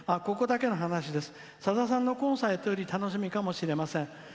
ここだけの話さださんのコンサートより楽しみかもしれません」。